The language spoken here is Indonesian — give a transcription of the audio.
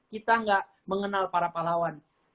kita nggak mengenal para pahlawan